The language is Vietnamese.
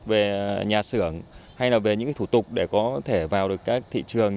về nhà xưởng hay là về những cái thủ tục để có thể vào được các thị trường